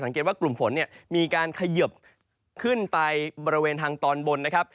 ว่ากลุ่มฝนเนี่ยมีการเขยิบขึ้นไปบริเวณทางตอนบนนะครับ